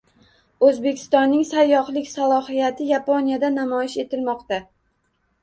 O‘zbekistonning sayyohlik salohiyati Yaponiyada namoyish etilmoqda